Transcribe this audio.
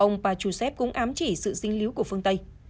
ông pachusev cũng ám chỉ sự sinh lý của phương tây